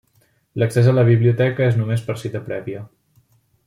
L'accés a la biblioteca és només per cita prèvia.